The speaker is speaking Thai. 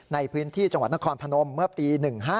ในพื้นที่จังหวัดนครพนมเมื่อปี๑๕